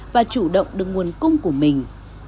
và chủ động được nguồn cung của mình